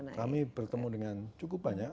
oh iya kami bertemu dengan cukup banyak